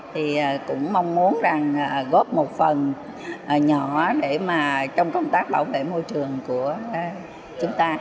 thì cũng mong muốn góp một phần nhỏ trong công tác bảo vệ môi trường của chúng ta